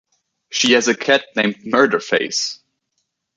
She has a cat named Murderface.